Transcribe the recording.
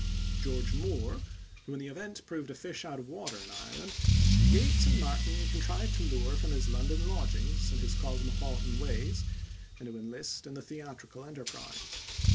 George Moore, who in the event proved a fish out of water in Ireland, Yeats and Martyn contrived to lure from his London lodgings and his cosmopolitan ways, and to enlist in the theatrical enterprise.